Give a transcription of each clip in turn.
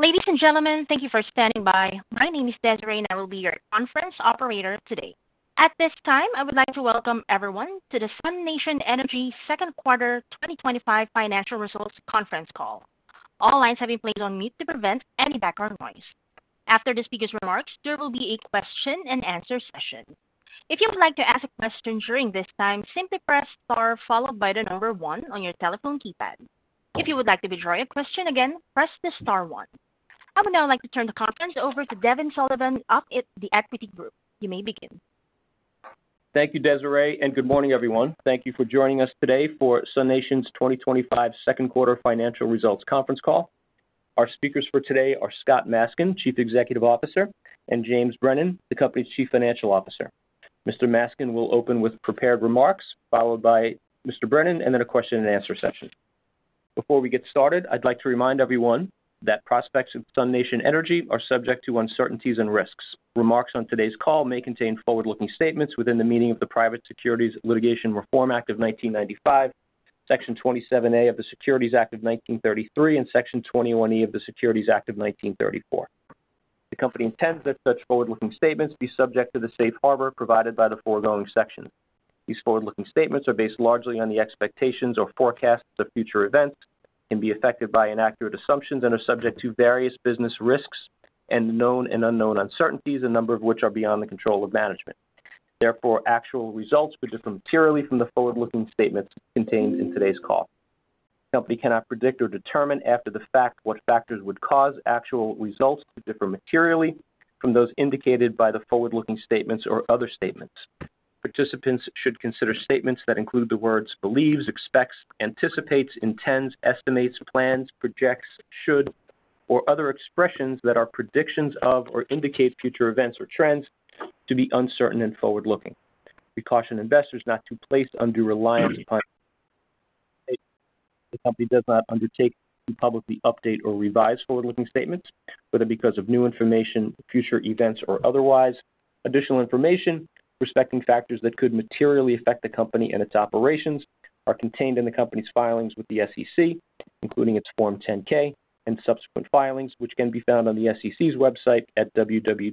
Ladies and gentlemen, thank you for standing by. My name is Desiree, and I will be your Conference Operator today. At this time, I would like to welcome everyone to the SUNation Energy second quarter 2025 financial results Conference call. All lines have been placed on mute to prevent any background noise. After the speaker's remarks, there will be a question-and-answer session. If you would like to ask a question during this time, simply press star followed by the number one on your telephone keypad. If you would like to withdraw your question, again press the star one. I would now like to turn the conference over to Devin Sullivan of the Equity Group. You may begin. Thank you, Desiree, and good morning, everyone. Thank you for joining us today for SUNation's 2025 second quarter financial results Conference call. Our speakers for today are Scott Maskin, Chief Executive Officer, and James Brennan, the Company's Chief Financial Officer. Mr. Maskin will open with prepared remarks, followed by Mr. Brennan, and then a question-and-answer session. Before we get started, I'd like to remind everyone that prospects of SUNation Energy are subject to uncertainties and risks. Remarks on today's call may contain forward-looking statements within the meaning of the Private Securities Litigation Reform Act of 1995, Section 27A of the Securities Act of 1933, and Section 21E of the Securities Exchange Act of 1934. The company intends that such forward-looking statements be subject to the safe harbor provided by the foregoing section. These forward-looking statements are based largely on the expectations or forecasts of future events, can be affected by inaccurate assumptions, and are subject to various business risks and known and unknown uncertainties, a number of which are beyond the control of management. Therefore, actual results could differ materially from the forward-looking statements contained in today's call. The company cannot predict or determine after the fact what factors would cause actual results to differ materially from those indicated by the forward-looking statements or other statements. Participants should consider statements that include the words "believes," "expects," "anticipates," "intends," "estimates," "plans," "projects," "should," or other expressions that are predictions of or indicate future events or trends to be uncertain and forward-looking. We caution investors not to place undue reliance upon the company. The company does not undertake to publicly update or revise forward-looking statements, whether because of new information, future events, or otherwise. Additional information respecting factors that could materially affect the company and its operations are contained in the company's filings with the SEC, including its Form 10-K and subsequent filings, which can be found on the SEC's website at www.sec.gov.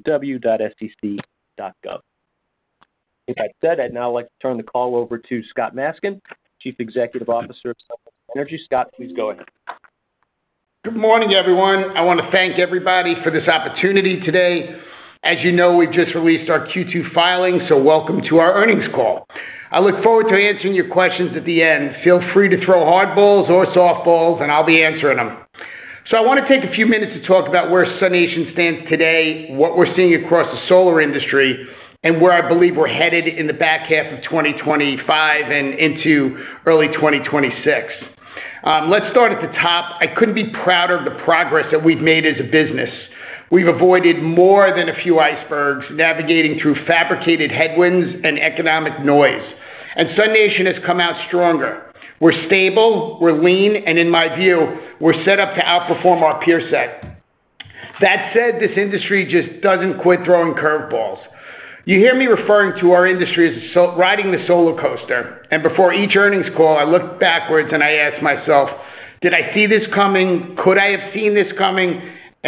With that said, I'd now like to turn the call over to Scott Maskin, Chief Executive Officer of SUNation Energy. Scott, please go ahead. Good morning, everyone. I want to thank everybody for this opportunity today. As you know, we just released our Q2 filing, so welcome to our earnings Call. I look forward to answering your questions at the end. Feel free to throw hard balls or soft balls, and I'll be answering them. I want to take a few minutes to talk about where SUNation stands today, what we're seeing across the solar industry, and where I believe we're headed in the back half of 2025 and into early 2026. Let's start at the top. I couldn't be prouder of the progress that we've made as a business. We've avoided more than a few icebergs, navigating through fabricated headwinds and economic noise. SUNation has come out stronger. We're stable, we're lean, and in my view, we're set up to outperform our peer set. That said, this industry just doesn't quit throwing curveballs. You hear me referring to our industry as riding the solar coaster. Before each Earnings Call, I look backwards and I ask myself, did I see this coming? Could I have seen this coming?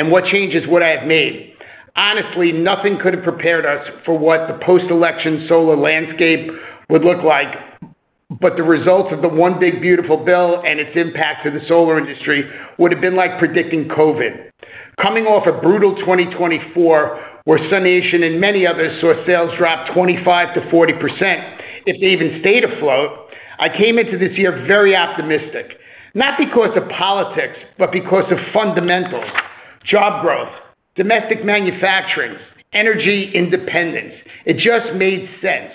What changes would I have made? Honestly, nothing could have prepared us for what the post-election solar landscape would look like. The results of the One Big Beautiful Bill and its impact to the solar industry would have been like predicting COVID. Coming off a brutal 2024, where SUNation Energy and many others saw sales drop 25%-40%, if they even stayed afloat, I came into this year very optimistic. Not because of politics, but because of fundamentals, job growth, domestic manufacturing, energy independence. It just made sense.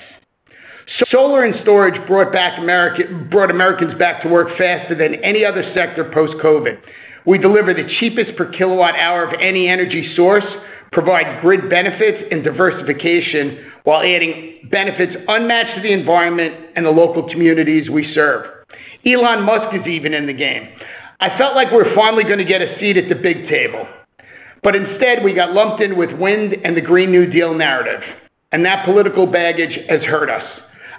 Solar and storage brought Americans back to work faster than any other sector post-COVID. We deliver the cheapest per kilowatt-hour of any energy source, provide grid benefits and diversification while adding benefits unmatched to the environment and the local communities we serve. Elon Musk is even in the game. I felt like we were finally going to get a seat at the big table. Instead, we got lumped in with wind and the Green New Deal narrative. That political baggage has hurt us.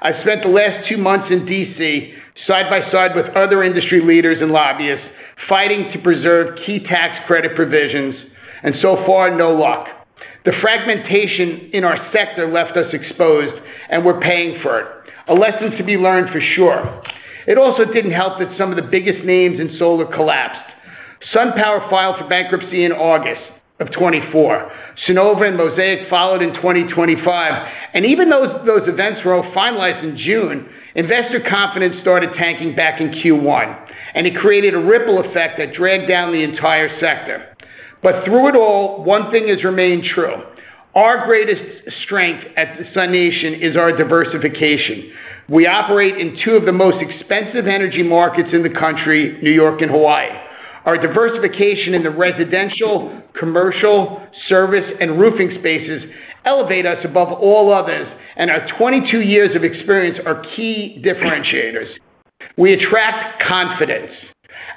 I've spent the last two months in D.C., side by side with other industry leaders and lobbyists, fighting to preserve key tax credit provisions, and so far, no luck. The fragmentation in our sector left us exposed, and we're paying for it. A lesson to be learned for sure. It also didn't help that some of the biggest names in solar collapsed. SunPower filed for bankruptcy in August of 2024. Sunnova and Mosaic followed in 2025. Even though those events were all finalized in June, investor confidence started tanking back in Q1. It created a ripple effect that dragged down the entire sector. Through it all, one thing has remained true. Our greatest strength at SUNation is our diversification. We operate in two of the most expensive energy markets in the country, New York and Hawaii. Our diversification in the residential, commercial, service, and roofing spaces elevates us above all others, and our 22 years of experience are key differentiators. We attract confidence.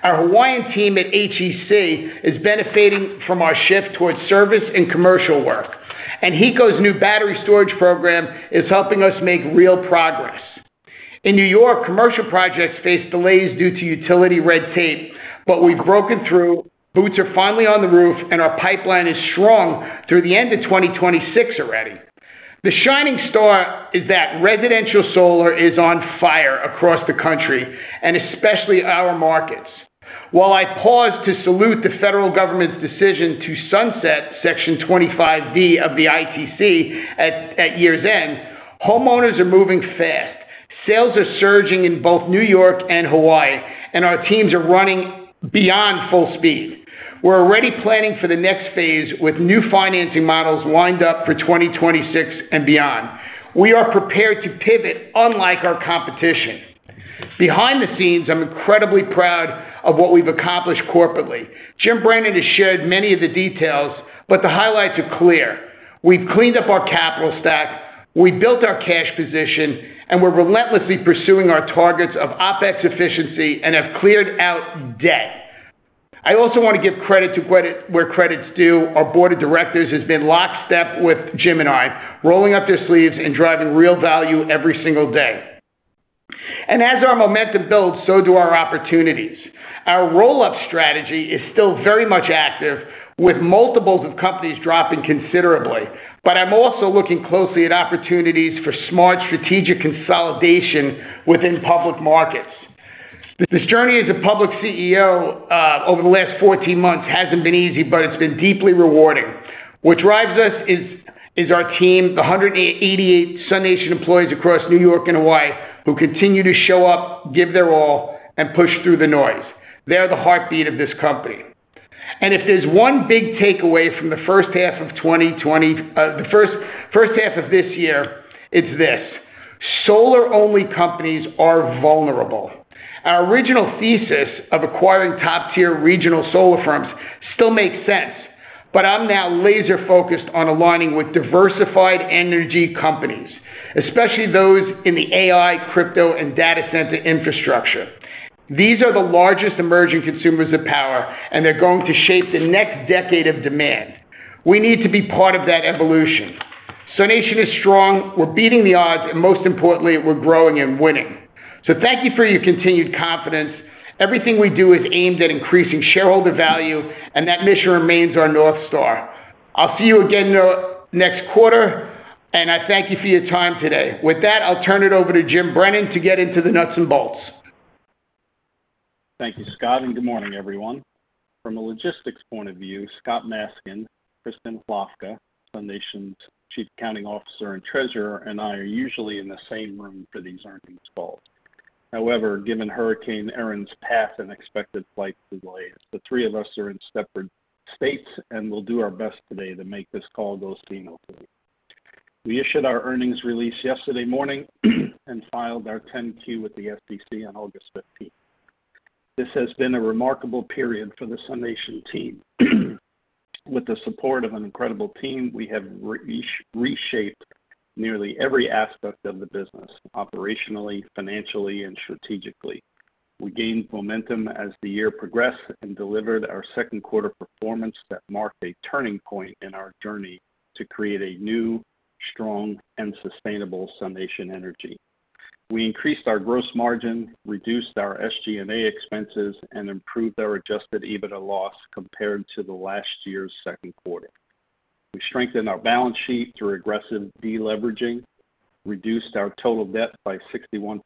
Our Hawaiian team at HEC is benefiting from our shift towards service and commercial work. HECO's new battery storage program is helping us make real progress. In New York, commercial projects face delays due to utility red tape, but we've broken through, boots are finally on the roof, and our pipeline is strong through the end of 2026 already. The shining star is that residential solar is on fire across the country, and especially our markets. While I pause to salute the federal government's decision to sunset Section 25B of the ITC at year's end, homeowners are moving fast. Sales are surging in both New York and Hawaii, and our teams are running beyond full speed. We're already planning for the next phase with new financing models lined up for 2026 and beyond. We are prepared to pivot unlike our competition. Behind the scenes, I'm incredibly proud of what we've accomplished corporately. Jim Brennan has shared many of the details, but the highlights are clear. We've cleaned up our capital stack, we built our cash position, and we're relentlessly pursuing our targets of OpEx efficiency and have cleared out debt. I also want to give credit to where credit's due. Our Board of Directors has been lockstep with Jim and I, rolling up their sleeves and driving real value every single day. As our momentum builds, so do our opportunities. Our roll-up strategy is still very much active, with multiples of companies dropping considerably. I'm also looking closely at opportunities for smart strategic consolidation within public markets. This journey as a public CEO over the last 14 months hasn't been easy, but it's been deeply rewarding. What drives us is our team, the 188 SUNation employees across New York and Hawaii, who continue to show up, give their all, and push through the noise. They're the heartbeat of this company. If there's one big takeaway from the first half of 2020, the first half of this year, it's this: solar-only companies are vulnerable. Our original thesis of acquiring top-tier regional solar firms still makes sense. I'm now laser-focused on aligning with diversified energy companies, especially those in AI, crypto, and data center infrastructure. These are the largest emerging consumers of power, and they're going to shape the next decade of demand. We need to be part of that evolution. SUNation is strong. We're beating the odds, and most importantly, we're growing and winning. Thank you for your continued confidence. Everything we do is aimed at increasing shareholder value, and that mission remains our North Star. I'll see you again next quarter, and I thank you for your time today. With that, I'll turn it over to Jim Brennan to get into the nuts and bolts. Thank you, Scott, and good morning, everyone. From a logistics point of view, Scott Maskin, Kristin Hlavka, SUNation's Chief Accounting Officer and Treasurer, and I are usually in the same room for these Earnings Calls. However, given Hurricane Erin's path and expected flight delays, the three of us are in separate states, and we'll do our best today to make this call go smoothly. We issued our Earnings Release yesterday morning and filed our 10-Q with the SEC on August 15th. This has been a remarkable period for the SUNation team. With the support of an incredible team, we have reshaped nearly every aspect of the business, operationally, financially, and strategically. We gained momentum as the year progressed and delivered our second quarter performance that marked a turning point in our journey to create a new, strong, and sustainable SUNation Energy. We increased our gross margin, reduced our SG&A expenses, and improved our adjusted EBITDA loss compared to last year's second quarter. We strengthened our balance sheet through aggressive deleveraging, reduced our total debt by 61%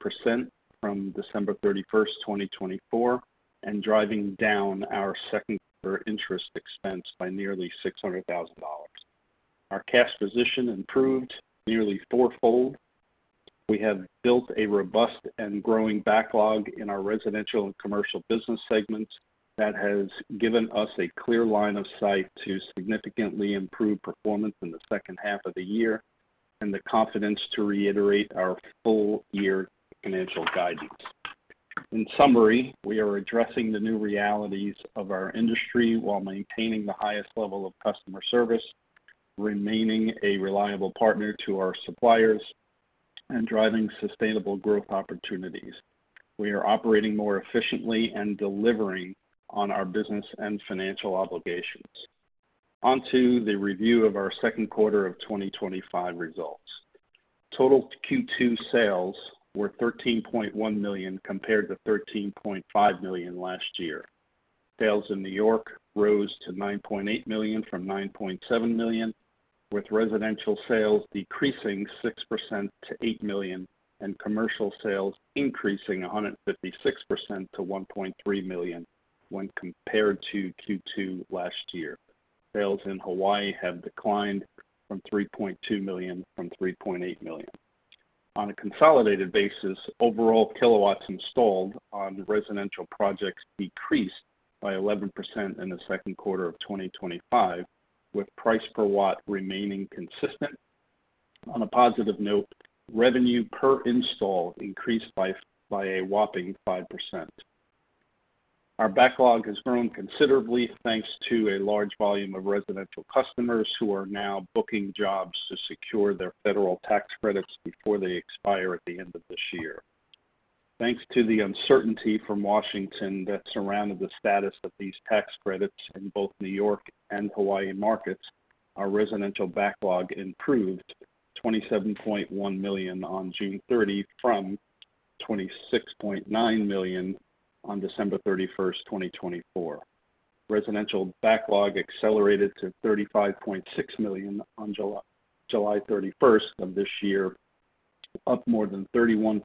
from December 31st, 2024, and drove down our second-quarter interest expense by nearly $600,000. Our cash position improved nearly 4x. We have built a robust and growing backlog in our residential and commercial business segments that has given us a clear line of sight to significantly improve performance in the second half of the year and the confidence to reiterate our full-year financial guidance. In summary, we are addressing the new realities of our industry while maintaining the highest level of customer service, remaining a reliable partner to our suppliers, and driving sustainable growth opportunities. We are operating more efficiently and delivering on our business and financial obligations. On to the review of our second quarter of 2025 results. Total Q2 sales were $13.1 million compared to $13.5 million last year. Sales in New York rose to $9.8 million from $9.7 million, with residential sales decreasing 6% to $8 million and commercial sales increasing 156% to $1.3 million when compared to Q2 last year. Sales in Hawaii have declined to $3.2 million from $3.8 million. On a consolidated basis, overall kilowatts installed on residential projects decreased by 11% in the second quarter of 2025, with price per watt remaining consistent. On a positive note, revenue per install increased by a whopping 5%. Our backlog has grown considerably thanks to a large volume of residential customers who are now booking jobs to secure their federal tax credits before they expire at the end of this year. Thanks to the uncertainty from Washington that surrounded the status of these tax credits in both New York and Hawaii markets, our residential backlog improved to $27.1 million on June 30 from $26.9 million on December 31st, 2024. Residential backlog accelerated to $35.6 million on July 31st of this year, up more than 31%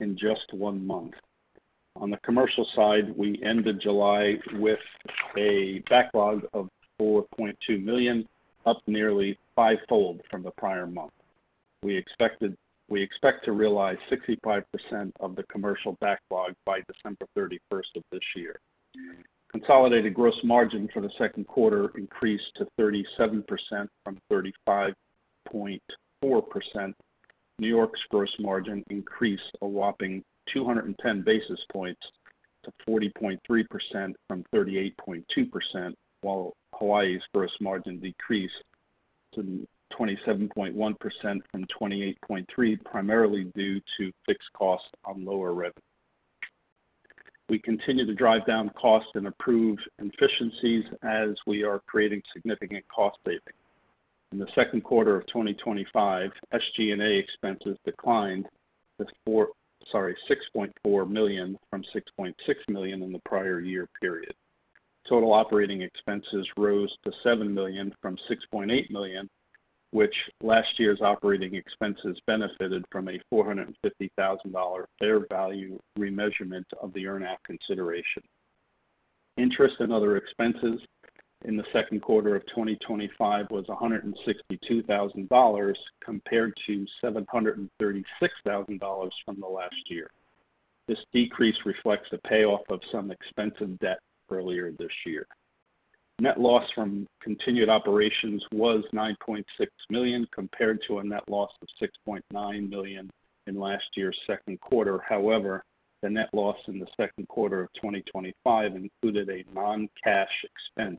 in just one month. On the commercial side, we ended July with a backlog of $4.2 million, up nearly 5x from the prior month. We expect to realize 65% of the commercial backlog by December 31st of this year. Consolidated gross margin for the second quarter increased to 37% from 35.4%. New York's gross margin increased a whopping 210 basis points to 40.3% from 38.2%, while Hawaii's gross margin decreased to 27.1% from 28.3%, primarily due to fixed costs on lower revenue. We continue to drive down costs and improve efficiencies as we are creating significant cost savings. In the second quarter of 2025, SG&A expenses declined to $6.4 million from $6.6 million in the prior year period. Total operating expenses rose to $7 million from $6.8 million, which last year's operating expenses benefited from a $450,000 fair value remeasurement of the earnout consideration. Interest and other expenses in the second quarter of 2025 were $162,000 compared to $736,000 from last year. This decrease reflects the payoff of some expensive debt earlier this year. Net loss from continued operations was $9.6 million compared to a net loss of $6.9 million in last year's second quarter. However, the net loss in the second quarter of 2025 included a non-cash expense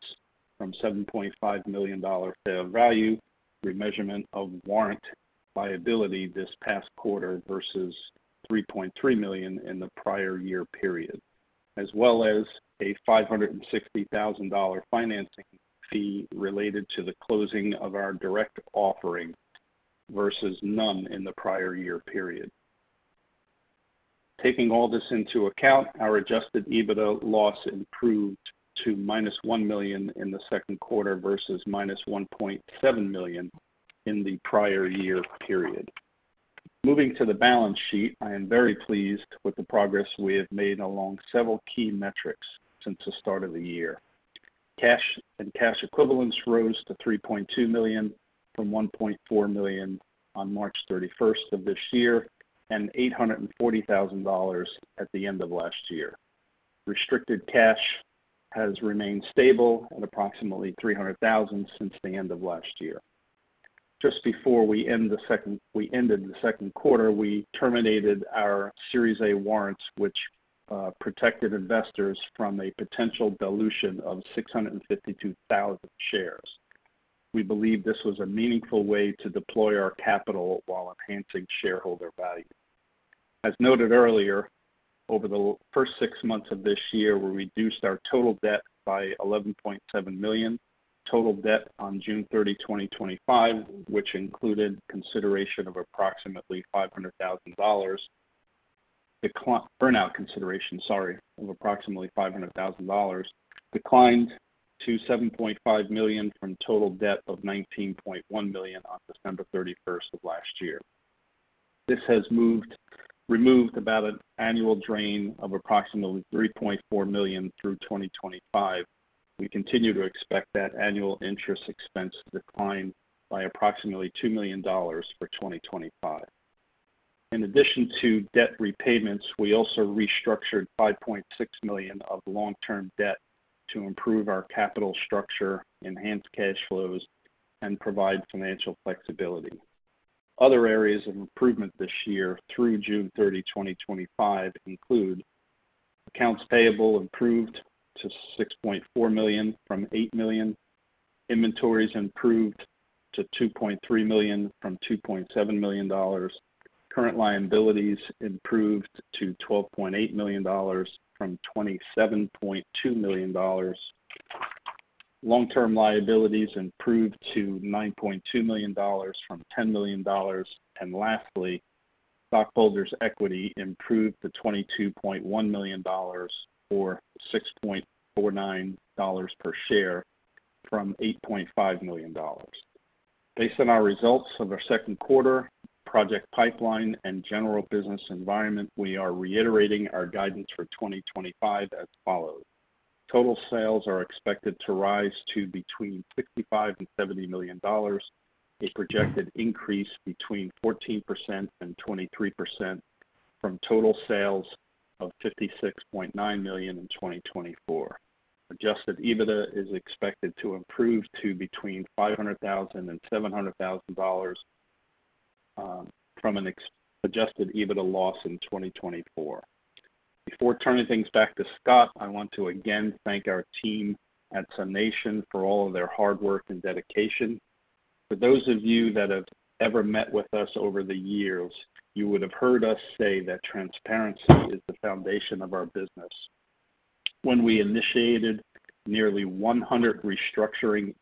from $7.5 million fair value remeasurement of warrant liability this past quarter versus $3.3 million in the prior year period, as well as a $560,000 financing fee related to the closing of our direct offering versus none in the prior year period. Taking all this into account, our adjusted EBITDA loss improved to -$1 million in the second quarter versus -$1.7 million in the prior year period. Moving to the balance sheet, I am very pleased with the progress we have made along several key metrics since the start of the year. Cash and cash equivalents rose to $3.2 million from $1.4 million on March 31st of this year and $840,000 at the end of last year. Restricted cash has remained stable at approximately $300,000 since the end of last year. Just before we ended the second quarter, we terminated our Series A Warrants, which protected investors from a potential dilution of 652,000 shares. We believe this was a meaningful way to deploy our capital while enhancing shareholder value. As noted earlier, over the first six months of this year, we reduced our total debt by $11.7 million. Total debt on June 30, 2025, which included consideration of approximately $500,000, the burnout consideration of approximately $500,000, declined to $7.5 million from total debt of $19.1 million on December 31st of last year. This has removed about an annual drain of approximately $3.4 million through 2025. We continue to expect that annual interest expense to decline by approximately $2 million for 2025. In addition to debt repayments, we also restructured $5.6 million of long-term debt to improve our capital structure, enhance cash flows, and provide financial flexibility. Other areas of improvement this year through June 30, 2025 include accounts payable improved to $6.4 million from $8 million, inventories improved to $2.3 million from $2.7 million, current liabilities improved to $12.8 million from $27.2 million, long-term liabilities improved to $9.2 million from $10 million, and lastly, stockholders' equity improved to $22.1 million or $6.49 per share from $8.5 million. Based on our results of our second quarter, project pipeline, and general business environment, we are reiterating our guidance for 2025 as follows. Total sales are expected to rise to between $65 million and $70 million, a projected increase between 14% and 23% from total sales of $56.9 million in 2024. Adjusted EBITDA is expected to improve to between $500,000 and $700,000 from an adjusted EBITDA loss in 2024. Before turning things back to Scott, I want to again thank our team at SUNation for all of their hard work and dedication. For those of you that have ever met with us over the years, you would have heard us say that transparency is the foundation of our business. When we initiated nearly 100 restructuring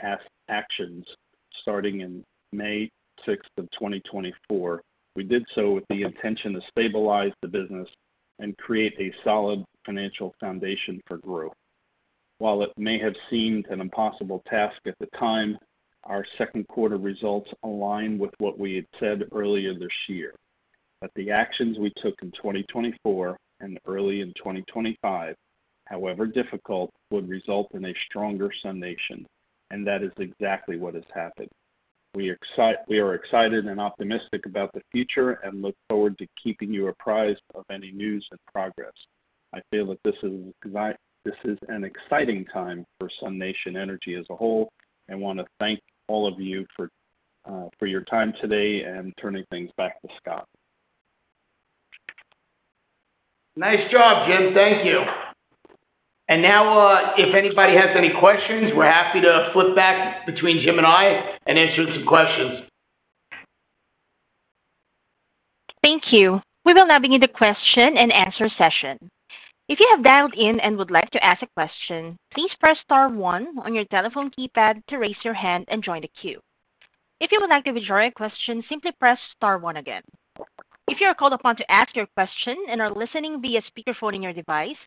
actions starting in May 6th, 2024, we did so with the intention to stabilize the business and create a solid financial foundation for growth. While it may have seemed an impossible task at the time, our second quarter results align with what we had said earlier this year. The actions we took in 2024 and early in 2025, however difficult, would result in a stronger SUNation, and that is exactly what has happened. We are excited and optimistic about the future and look forward to keeping you apprised of any news and progress. I feel that this is an exciting time for SUNation Energy as a whole, and I want to thank all of you for your time today and turning things back to Scott. Nice job, Jim. Thank you. If anybody has any questions, we're happy to flip back between Jim and me and answer some questions. Thank you. We will now begin the question-and-answer session. If you have dialed in and would like to ask a question, please press star one on your telephone keypad to raise your hand and join the queue. If you would like to withdraw your question, simply press star one again. If you are called upon to ask your question and are listening via speakerphone on your device,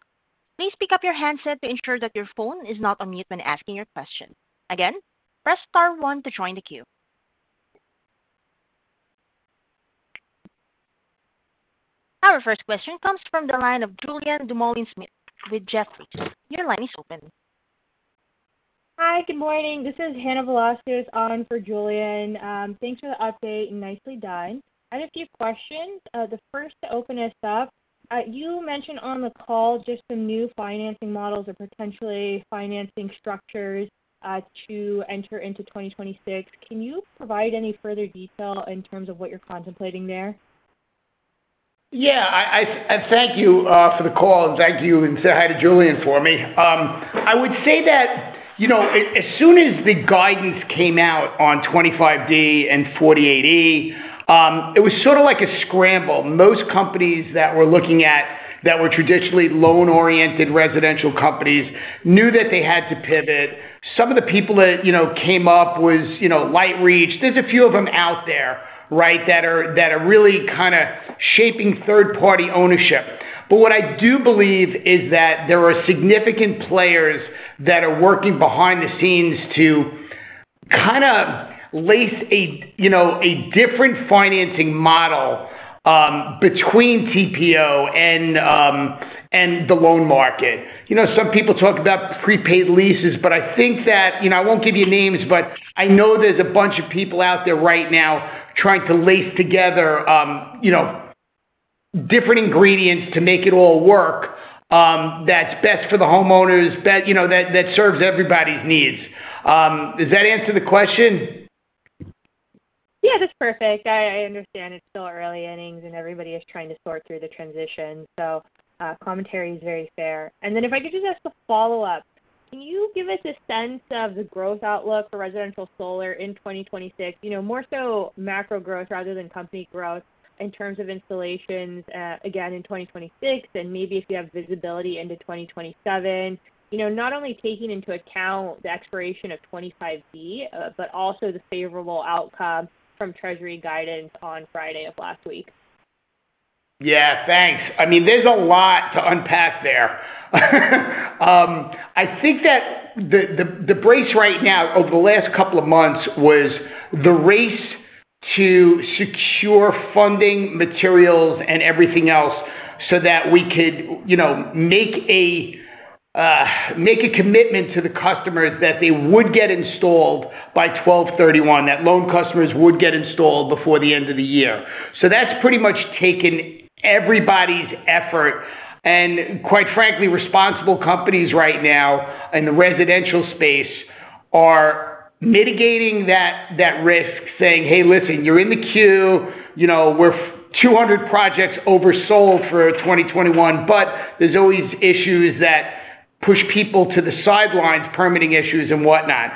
please pick up your handset to ensure that your phone is not on mute when asking your question. Again, press star one to join the queue. Our first question comes from the line of Julien Dumoulin-Smith with Jefferies. Your line is open. Hi, good morning. This is Hannah Velásquez on for Julien. Thanks for the update. Nicely done. I have a few questions. The first to open this up, you mentioned on the call just some new financing models or potentially financing structures to enter into 2026. Can you provide any further detail in terms of what you're contemplating there? Yeah, I thank you for the call and thank you and say hi to Julien for me. I would say that, as soon as the guidance came out on Section 25D and Section 48E of the Investment Tax Credit, it was sort of like a scramble. Most companies that were looking at that were traditionally loan-oriented residential companies knew that they had to pivot. Some of the people that came up was, you know, LightReach. There's a few of them out there, right, that are really kind of shaping third-party ownership. What I do believe is that there are significant players that are working behind the scenes to kind of lace a different financing model between TPO and the loan market. Some people talk about prepaid leases, but I think that, I won't give you names, but I know there's a bunch of people out there right now trying to lace together different ingredients to make it all work that's best for the homeowners, that serves everybody's needs. Does that answer the question? Yeah, that's perfect. I understand it's still early innings and everybody is trying to sort through the transition. Commentary is very fair. If I could just ask a follow-up, can you give us a sense of the growth outlook for residential solar in 2026? More so macro growth rather than company growth in terms of installations, again, in 2026 and maybe if you have visibility into 2027, not only taking into account the expiration of Section 25B of the Investment Tax Credit, but also the favorable outcome from Treasury Guidance on Friday of last week. Yeah, thanks. I mean, there's a lot to unpack there. I think that the race right now over the last couple of months was the race to secure funding, materials, and everything else so that we could, you know, make a commitment to the customers that they would get installed by 12/31/2025, that loan customers would get installed before the end of the year. That's pretty much taken everybody's effort. Quite frankly, responsible companies right now in the residential space are mitigating that risk, saying, "Hey, listen, you're in the queue." We're 200 projects oversold for 2021, but there's always issues that push people to the sidelines, permitting issues and whatnot.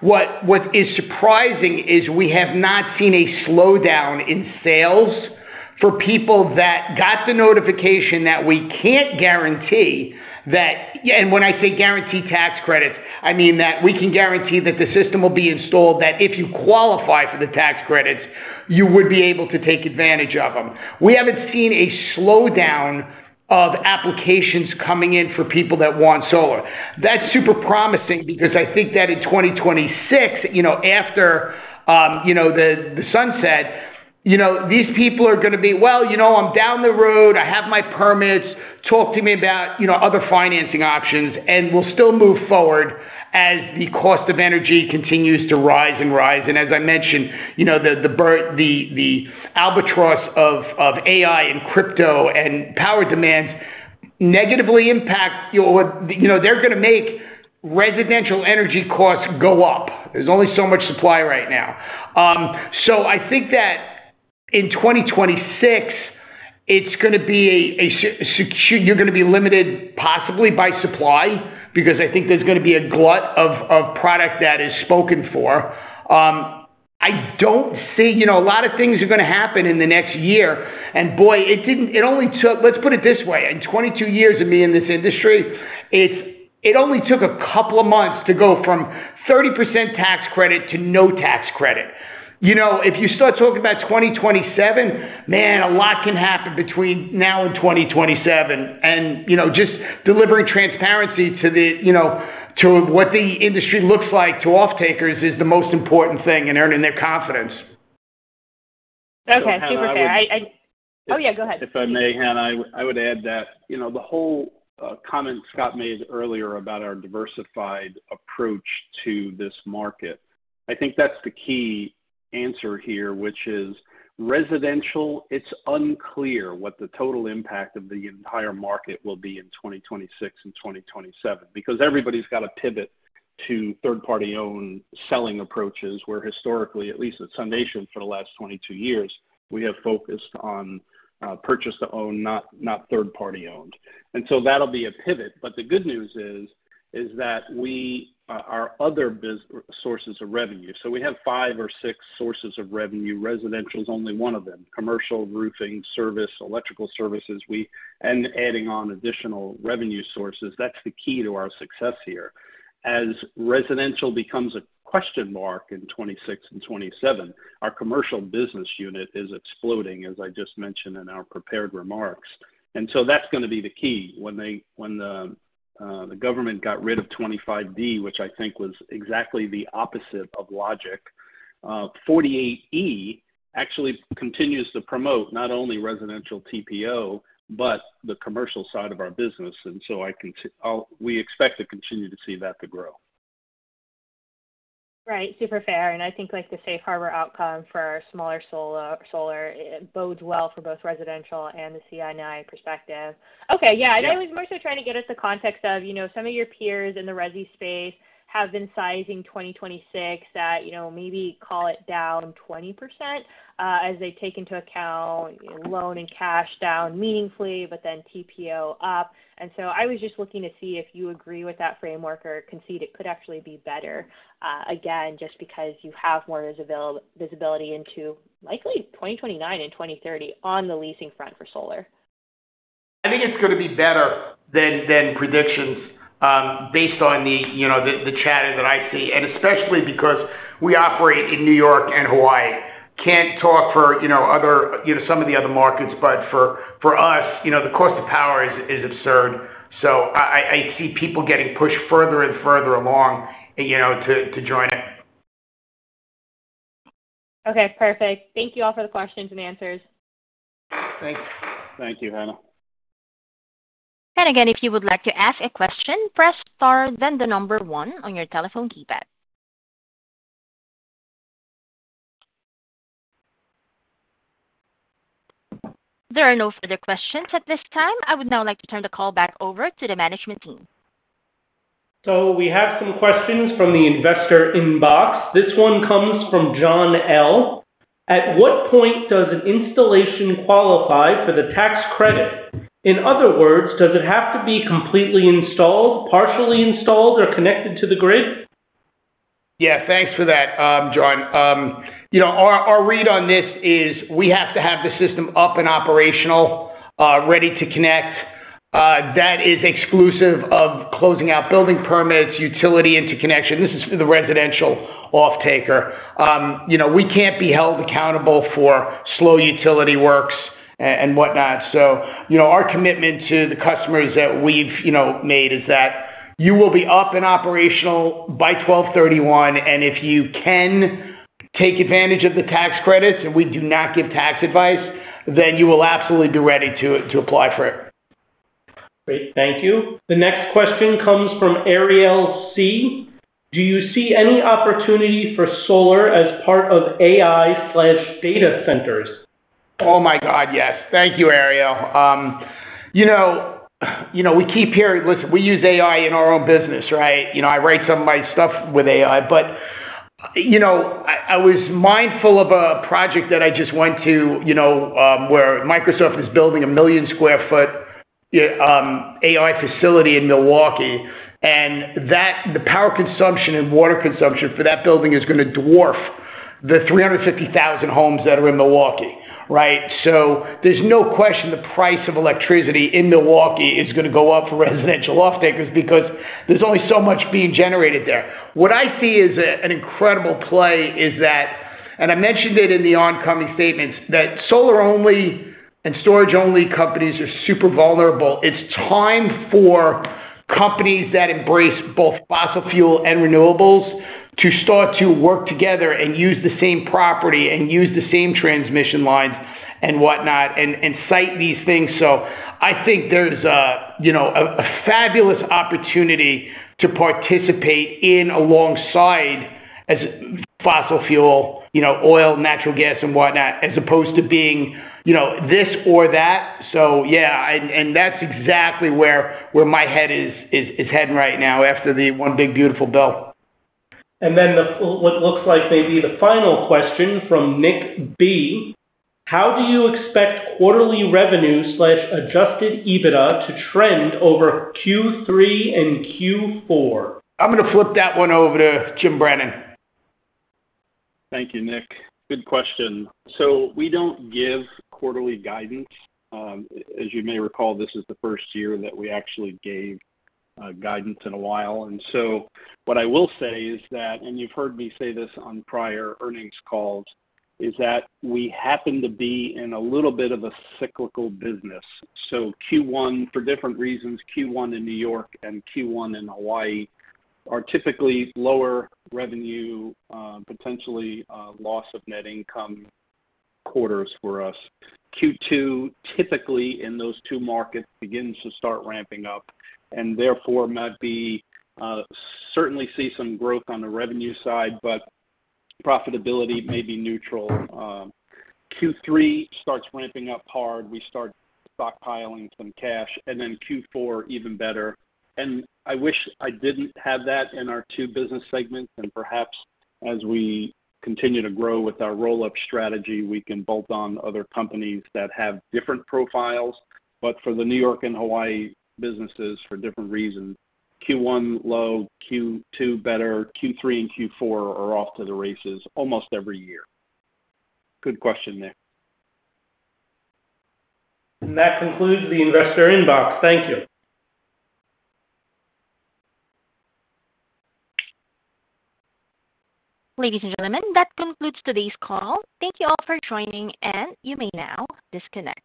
What is surprising is we have not seen a slowdown in sales for people that got the notification that we can't guarantee that, and when I say guarantee tax credits, I mean that we can guarantee that the system will be installed, that if you qualify for the tax credits, you would be able to take advantage of them. We haven't seen a slowdown of applications coming in for people that want solar. That's super promising because I think that in 2026, after the sunset, these people are going to be, "Well, you know, I'm down the road. I have my permits. Talk to me about other financing options," and we'll still move forward as the cost of energy continues to rise and rise. As I mentioned, the albatross of AI and crypto and power demands negatively impact, they're going to make residential energy costs go up. There's only so much supply right now. I think that in 2026, it's going to be a, you're going to be limited possibly by supply because I think there's going to be a glut of product that is spoken for. I don't see, a lot of things are going to happen in the next year. It only took, let's put it this way, in 22 years of me in this industry, it only took a couple of months to go from 30% tax credit to no tax credit. If you start talking about 2027, man, a lot can happen between now and 2027. Just delivering transparency to what the industry looks like to off-takers is the most important thing in earning their confidence. Okay, super fair. Oh yeah, go ahead. If I may, Hannah, I would add that the whole comment Scott made earlier about our diversified approach to this market, I think that's the key answer here, which is residential. It's unclear what the total impact of the entire market will be in 2026 and 2027 because everybody's got to pivot to third-party owned selling approaches where historically, at least at SUNation for the last 22 years, we have focused on purchase-to-own, not third-party owned. That'll be a pivot. The good news is that we are other sources of revenue. We have five or six sources of revenue. Residential is only one of them: commercial, roofing, service, electrical services, and adding on additional revenue sources. That's the key to our success here. As residential becomes a question mark in 2026 and 2027, our commercial business unit is exploding, as I just mentioned in our prepared remarks. That's going to be the key. When the government got rid of Section 25D, which I think was exactly the opposite of logic, Section 48E actually continues to promote not only residential TPO, but the commercial side of our business. I think we expect to continue to see that to grow. Right, super fair. I think the safe harbor outcome for our smaller solar bodes well for both residential and the CNI perspective. I was more so trying to get at the context of, you know, some of your peers in the resi space have been sizing 2026 that, you know, maybe call it down 20% as they take into account loan and cash down meaningfully, but then TPO up. I was just looking to see if you agree with that framework or concede it could actually be better, again, just because you have more visibility into likely 2029 and 2030 on the leasing front for solar. I think it's going to be better than predictions based on the chatter that I see, especially because we operate in New York and Hawaii. I can't talk for some of the other markets, but for us, the cost of power is absurd. I see people getting pushed further and further along to join us. Okay, perfect. Thank you all for the questions and answers. Thanks. Thank you, Hannah. If you would like to ask a question, press star then the number one on your telephone keypad. There are no further questions at this time. I would now like to turn the call back over to the management team. We have some questions from the Investor Inbox. This one comes from John L. At what point does an installation qualify for the tax credit? In other words, does it have to be completely installed, partially installed, or connected to the grid? Yeah, thanks for that, John. Our read on this is we have to have the system up and operational, ready to connect. That is exclusive of closing out building permits, utility interconnection. This is for the residential off-taker. We can't be held accountable for slow utility works and whatnot. Our commitment to the customers that we've made is that you will be up and operational by 12/31/2025. If you can take advantage of the tax credits, and we do not give tax advice, then you will absolutely be ready to apply for it. Great, thank you. The next question comes from Ariel C. Do you see any opportunity for solar as part of AI/data centers? Oh my God, yes. Thank you, Ariel. We keep hearing, listen, we use AI in our own business, right? I write some of my stuff with AI, but I was mindful of a project that I just went to where Microsoft is building 1 million sq ft AI facility in Milwaukee. The power consumption and water consumption for that building is going to dwarf the 350,000 homes that are in Milwaukee, right? There is no question the price of electricity in Milwaukee is going to go up for residential off-takers because there's only so much being generated there. What I see is an incredible play is that, and I mentioned it in the oncoming statements, solar-only and storage-only companies are super vulnerable. It is time for companies that embrace both fossil fuel and renewables to start to work together and use the same property and use the same transmission lines and whatnot and site these things. I think there's a fabulous opportunity to participate in alongside fossil fuel, oil, natural gas, and whatnot, as opposed to being this or that. Yeah, and that's exactly where my head is heading right now after the One Big Beautiful Bill. What looks like maybe the final question from Nick B., how do you expect quarterly revenue/adjusted EBITDA to trend over Q3 and Q4? I'm going to flip that one over to Jim Brennan. Thank you, Nick. Good question. We don't give quarterly guidance. As you may recall, this is the first year that we actually gave guidance in a while. What I will say is that, and you've heard me say this on prior earnings Calls, we happen to be in a little bit of a cyclical business. Q1, for different reasons, Q1 in New York and Q1 in Hawaii are typically lower revenue, potentially loss of net income quarters for us. Q2 typically in those two markets begins to start ramping up and therefore might certainly see some growth on the revenue side, but profitability may be neutral. Q3 starts ramping up hard. We start stockpiling some cash, and then Q4 even better. I wish I didn't have that in our two business segments. Perhaps as we continue to grow with our roll-up strategy, we can bolt on other companies that have different profiles. For the New York and Hawaii businesses, for different reasons, Q1 low, Q2 better, Q3 and Q4 are off to the races almost every year. Good question there. That concludes the Investor Inbox. Thank you. Ladies and gentlemen, that concludes today's call. Thank you all for joining, and you may now disconnect.